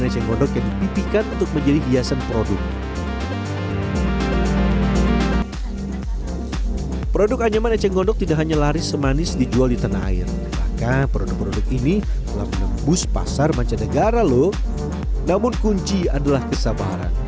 eceng gondok yang berbentuk seperti tali tambang dapat dibentuk menjadi beragam kerajinan